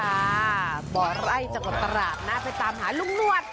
บ่อไร่จังหวัดตราดนะไปตามหาลุงนวด